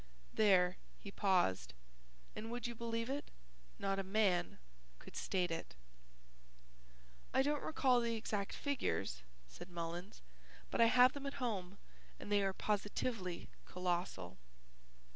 There he paused, and would you believe it, not a man could state it. "I don't recall the exact figures," said Mullins, "but I have them at home and they are positively colossal."